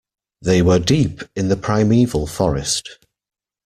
They were deep in the primeval forest.